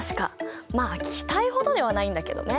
まあ気体ほどではないんだけどね。